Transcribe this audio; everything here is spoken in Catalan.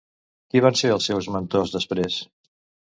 Qui van ser els seus mentors, després?